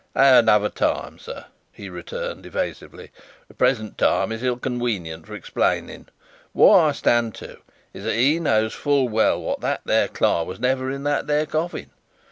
"At another time, sir," he returned, evasively, "the present time is ill conwenient for explainin'. What I stand to, is, that he knows well wot that there Cly was never in that there coffin.